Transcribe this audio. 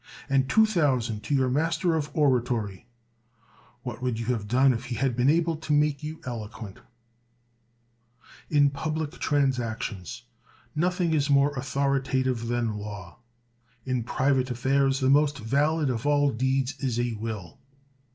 and two thousand to your master of oratory; what would you have done if he had been able to make you eloquent ? In public transactions nothing is more authori tative than law ; in private affairs the most valid of all deeds is a will.